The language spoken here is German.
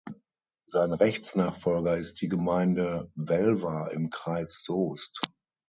Sein Rechtsnachfolger ist die Gemeinde Welver im Kreis Soest.